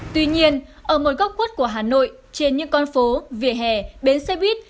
tuy nhiên ở một góc quất của hà nội trên những con phố vỉa hè bến xe buýt